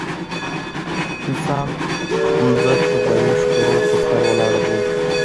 انسان ځمکه غوايي ښکرو پر سر ولاړه بولي.